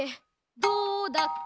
どうだっけ？